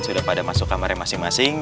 sudah pada masuk kamarnya masing masing